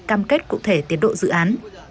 cam kết cụ thể tiến độ dự án